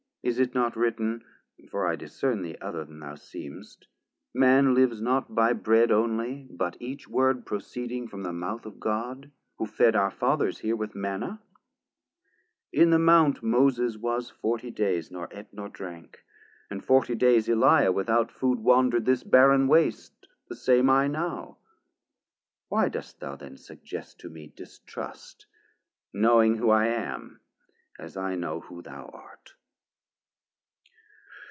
is it not written (For I discern thee other then thou seem'st) Man lives not by Bread only, but each Word Proceeding from the mouth of God; who fed 350 Our Fathers here with Manna; in the Mount Moses was forty days, nor eat nor drank, And forty days Eliah without food Wandred this barren waste, the same I now: Why dost thou then suggest to me distrust, Knowing who I am, as I know who thou art?